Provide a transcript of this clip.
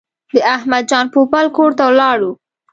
د احمد جان پوپل کور ته ولاړو.